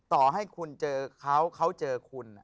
ต่อให้คุณเจอเขาเขาเจอคุณ